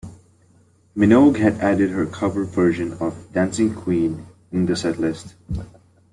Minogue had added her cover version of "Dancing Queen" in the set list.